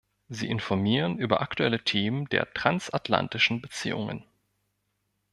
Sie informieren über aktuelle Themen der transatlantischen Beziehungen.